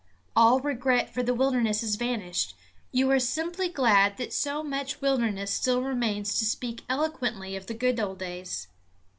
All regret for the wilderness is vanished; you are simply glad that so much wildness still remains to speak eloquently of the good old days.